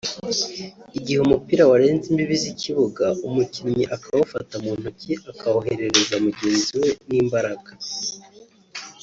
Igihe umupira warenze imbibi z’ikibuga umukinnyi akawufata mu ntoki akawoherereza mugenzi we n’imbaraga